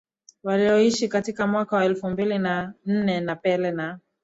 Walioishi katika mwaka wa elfu mbili na nne na Pelé na